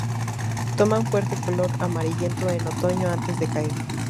Toman fuerte color amarillento en otoño antes de caer.